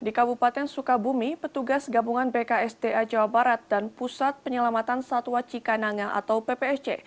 di kabupaten sukabumi petugas gabungan bksda jawa barat dan pusat penyelamatan satwa cikananga atau ppsc